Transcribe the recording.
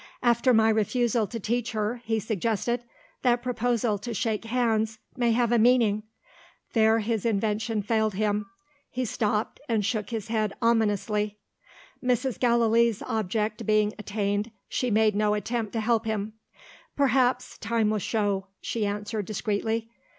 "After my refusal to teach her," he suggested, "that proposal to shake hands may have a meaning " There, his invention failed him. He stopped, and shook his head ominously. Mrs. Gallilee's object being attained, she made no attempt to help him. "Perhaps, time will show," she answered discreetly.